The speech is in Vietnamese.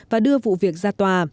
và đưa vụ việc ra tòa